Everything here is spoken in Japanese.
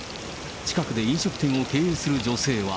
近くで飲食店を経営する女性は。